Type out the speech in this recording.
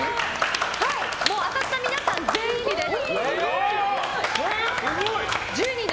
当たった皆さん全員にです。